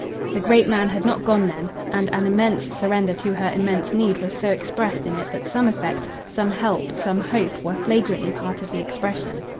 The great man had not gone then, and an immense surrender to her immense need was so expressed in it that some effect, some help, some hope, were flagrantly part of the expression.